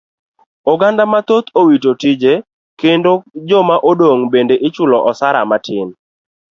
Oganda mathoth owito tije kendo joma odong' bende ichulo osara matin.